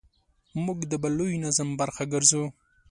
موږ د بل لوی نظم برخه ګرځو.